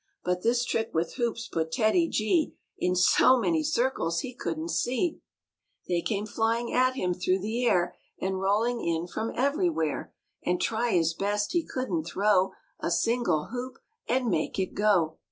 But this trick with hoops put TEDDY G In so many circles he couldn't see. m MORE ABOUT THE ROOSEVELT BEARS They came flying at him through the air And rolling in from everywhere; And try his best he couldn't throw A single hoop and make it go.